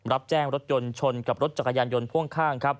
รับแจ้งรถยนต์ชนกับรถจักรยานยนต์พ่วงข้างครับ